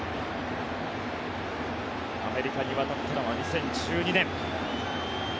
アメリカに渡ったのが２０１２年。